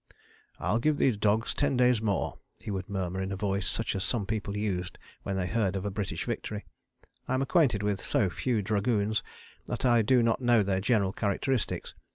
"I'll give these dogs ten days more," he would murmur in a voice such as some people used when they heard of a British victory. I am acquainted with so few dragoons that I do not know their general characteristics.